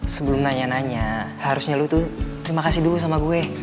sebelum nanya nanya harusnya lu tuh terima kasih dulu sama gue